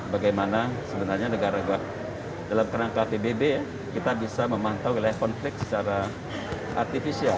bagaimana sebenarnya negara negara dalam kerangka pbb kita bisa memantau wilayah konflik secara artifisial